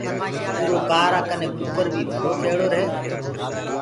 اُرو ڪآرآ ڪني ڪٚڪَر بيٚ ڀلو کيڙو رهي